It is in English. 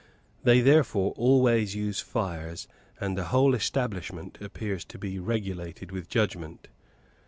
They therefore always use fires; and the whole establishment appears to be regulated with judgment.